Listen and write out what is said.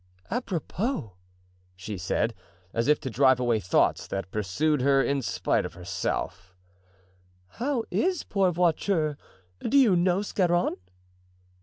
"Apropos," she said, as if to drive away thoughts that pursued her in spite of herself, "how is poor Voiture, do you know, Scarron?"